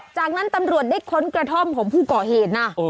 จากนั้นตำรวจได้ค้นกระท่อมของผู้ก่อเหตุนะ